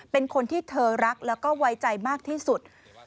เป็นคนที่เธอรักแล้วก็ไว้ใจมากที่สุด